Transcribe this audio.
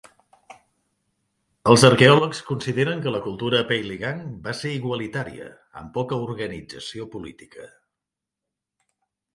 Els arqueòlegs consideren que la cultura peiligang va ser igualitària, amb poca organització política.